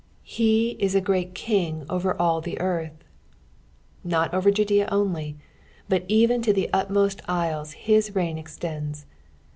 "He it a great King oter all the earth." Not over Judea only, but even to the utmost isles his reign extends.